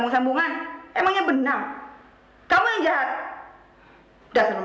itu kan karena kamu sedang sedih